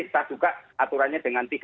kita juga aturannya dengan tiga